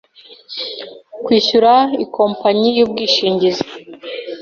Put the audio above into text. kwishyura ikompanyi y ubwishingizi